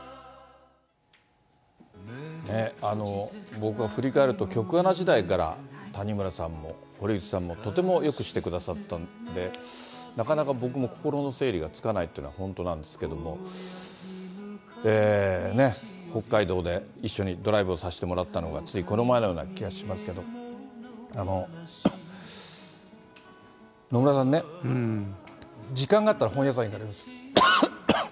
僕は振り返ると、局アナ時代から谷村さんも堀内さんもとてもよくしてくださったので、なかなか僕も心の整理がつかないっていうのが本当なんですけれども、ね、北海道で一緒にドライブをさせてもらったのが、ついこの前のような気がしますけれども、野村さんね、時間があったら。